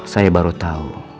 saya baru tahu